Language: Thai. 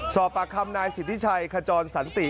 สอบปากคำนายสิทธิชัยขจรสันติ